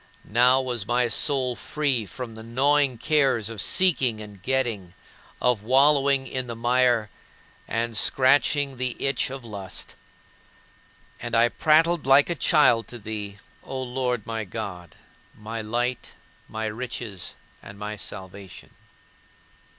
Now was my soul free from the gnawing cares of seeking and getting, of wallowing in the mire and scratching the itch of lust. And I prattled like a child to thee, O Lord my God my light, my riches, and my salvation.